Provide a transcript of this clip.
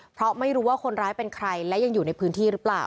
เพราะไม่รู้ว่าคนร้ายเป็นใครและยังอยู่ในพื้นที่หรือเปล่า